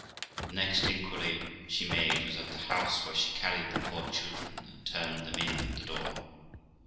The next inquiry she made was at the house where she carried the poor children, and turned them in at the door.